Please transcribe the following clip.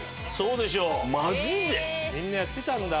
みんなやってたんだ。